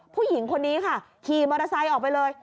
ผู้หญิงคนนี้ค่ะขี่มอเตอร์ไซค์ออกไปเลย